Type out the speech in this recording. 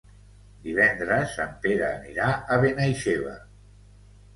Divendres en Pere anirà a Benaixeve.